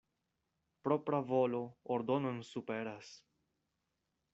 Propra volo ordonon superas.